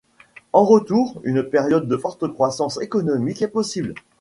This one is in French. En retour, une période de forte croissance économique est possible.